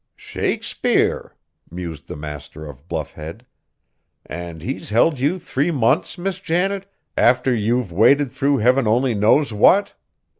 "Shakespeare!" mused the master of Bluff Head, "and he's held you three months, Miss Janet, after you've waded through heaven only knows what?"